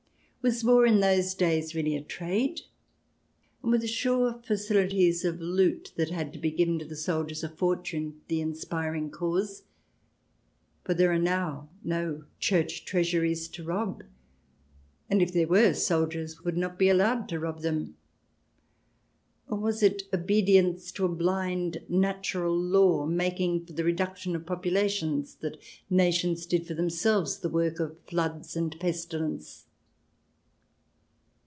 Was war in those days really a trade, and were the sure facilities of loot that had to be given to soldiers of fortune the inspiring cause? For there are now no Church treasuries to rob, and if there were soldiers would not be allowed to rob them. Or was it in obedience to a blind natural law, making for the reduction of populations, that nations did for themselves the work of floods and pestilence